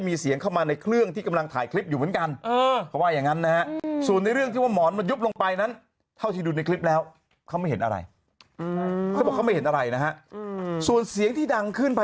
รีเซ็ตปุ๊บมันก็เปิดแล้วมันก็ปิด๑รอบ